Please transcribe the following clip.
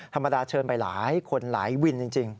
ธรรมดาเชิญไปหลายคนหลายวินจริง